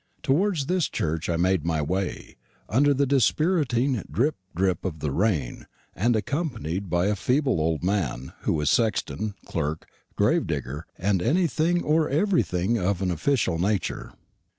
Towards this church I made my way, under the dispiriting drip, drip of the rain, and accompanied by a feeble old man, who is sexton, clerk, gravedigger, and anything or everything of an official nature.